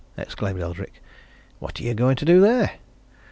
exclaimed Eldrick. "What are you going to do there?"